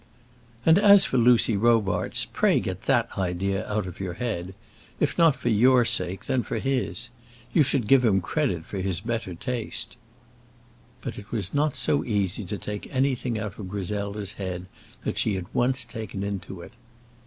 "And as for Lucy Robarts, pray get that idea out of your head; if not for your sake, then for his. You should give him credit for better taste." But it was not so easy to take anything out of Griselda's head that she had once taken into it.